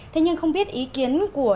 thế nhưng không biết ý kiến của